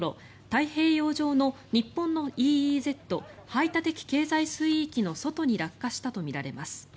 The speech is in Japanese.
太平洋上の日本のＥＥＺ・排他的経済水域の外に落下したとみられます。